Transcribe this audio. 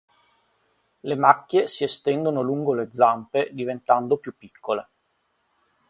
Le macchie si estendono lungo le zampe diventando più piccole.